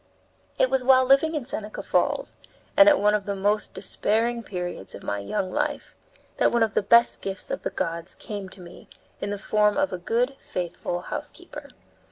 It was while living in Seneca Falls, and at one of the most despairing periods of my young life, that one of the best gifts of the gods came to me in the form of a good, faithful housekeeper.